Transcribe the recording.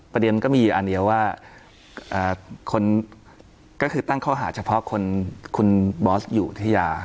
ประเด็นก็มีอันเดียวว่าอ่าคนก็คือตั้งข้อหาเฉพาะคนคุณบอสอยู่ที่ยา